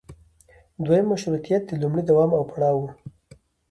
دویم مشروطیت د لومړي دوام او پړاو و.